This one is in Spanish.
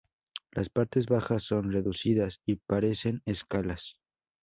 Las partes bajas son reducidas y parecen escalas.